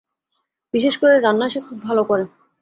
বিশেষ করে রান্না সে খুব ভাল করে।